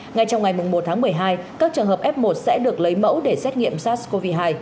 ngay trong ngày một tháng một mươi hai các trường hợp f một sẽ được lấy mẫu để xét nghiệm sars cov hai